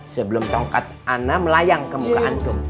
sebelum tongkat ana melayang ke muka antum